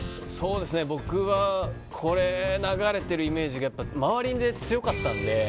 僕はこれが流れているイメージが周りで強かったので。